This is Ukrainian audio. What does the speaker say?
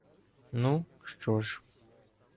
Ну, що ж.